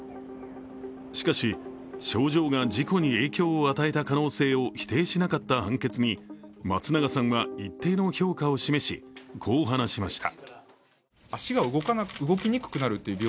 しかし、症状が事故に影響を与えた可能性を否定しなかった判決に松永さんは一定の評価を示し、こう話しました。